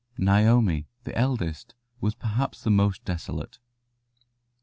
Naomi, the eldest, was perhaps the most desolate.